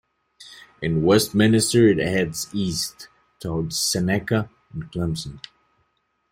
In Westminster, it heads east toward Seneca and Clemson.